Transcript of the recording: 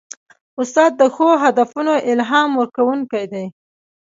استاد د ښو هدفونو الهام ورکوونکی دی.